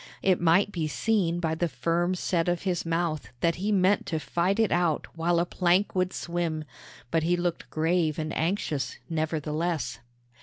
It might be seen by the firm set of his mouth that he meant to fight it out while a plank would swim; but he looked grave and anxious, nevertheless.